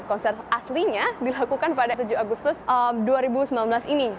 konser aslinya dilakukan pada tujuh agustus dua ribu sembilan belas ini